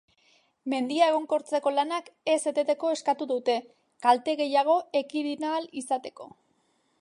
Mendia egonkortzeko lanak ez eteteko eskatu dute, kalte gehiago ekidin ahal izateko.